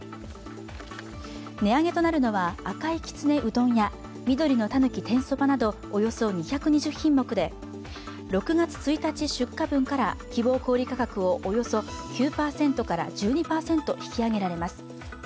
値上げとなるのは赤いきつねうどんや緑のたぬき天そばなどおよそ２２０品目で６月１日出荷分から希望小売価格をおよそ９％から１２％引き上げられます。